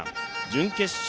準決勝